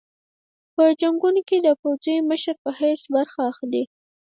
په جنګونو کې د پوځي مشر په حیث برخه اخلي.